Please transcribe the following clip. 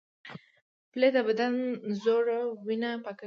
پلی د بدن زوړ وینه پاکوي